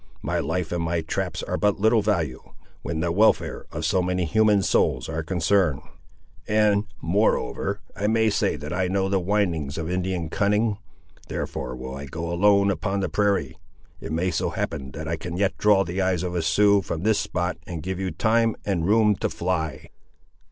My life and my traps are but of little value, when the welfare of so many human souls are concerned; and, moreover, I may say that I know the windings of Indian cunning. Therefore will I go alone upon the prairie. It may so happen, that I can yet draw the eyes of a Sioux from this spot and give you time and room to fly."